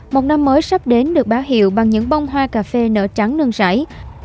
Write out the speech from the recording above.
một năm mới sắp đến được báo hiệu bằng những bông hoa cà phê nở trắng nương sảy